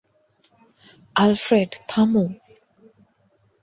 Alfred, থামো।